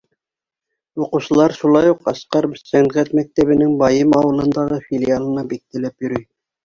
Уҡыусылар шулай уҡ Асҡар сәнғәт мәктәбенең Байым ауылындағы филиалына бик теләп йөрөй.